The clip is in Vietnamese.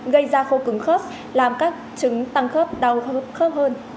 gây ra khô cứng khớp làm các trứng tăng khớp đau khớp hơn